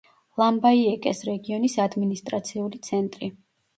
ლამბაიეკეს რეგიონის ადმინისტრაციული ცენტრი.